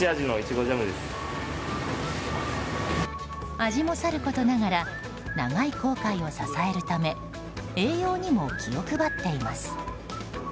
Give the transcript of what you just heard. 味もさることながら長い航海を支えるため栄養にも気を配っています。